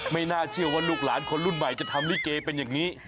ไม่น่าเชื่อว่าลูกหลานคนรุ่นใหม่จะทำลิเกเป็นอย่างนี้